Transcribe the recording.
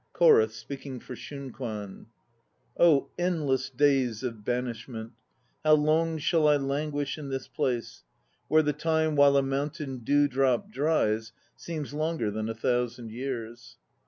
CHORUS (speaking for SHUNKWAN.) Oh, endless days of banishment! How long shall I languish in this place, Where the time while a mountain dewdrop dries Seems longer than a thousand years?